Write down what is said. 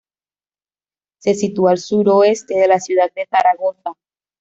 Se sitúa al suroeste de la ciudad de Zaragoza.